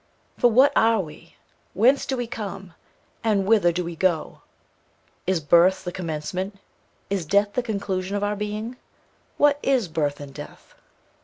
For what are we? Whence do we come? and whither do we go? Is birth the commencement, is death the conclusion of our being? What is birth and death?